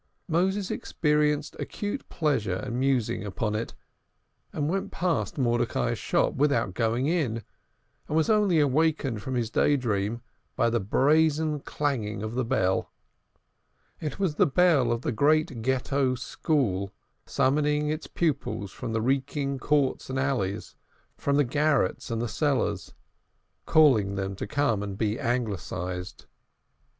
Moses experienced acute pleasure in musing upon it, and went past Mordecai's shop without going in, and was only awakened from his day dream by the brazen clanging of a bell It was the bell of the great Ghetto school, summoning its pupils from the reeking courts and alleys, from the garrets and the cellars, calling them to come and be Anglicized.